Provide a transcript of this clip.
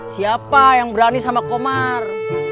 siapa yang berani sama komar